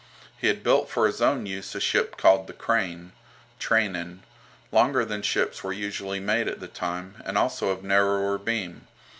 He had built for his own use a ship called the "Crane" (Tranen), longer than ships were usually made at the time, and also of narrower beam.